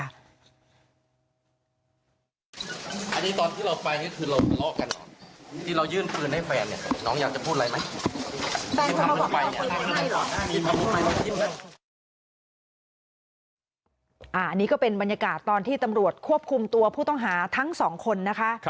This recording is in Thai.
อันนี้ก็เป็นบรรยากาศตอนที่ตำรวจควบคุมตัวผู้ต้องหาทั้งสองคนนะคะ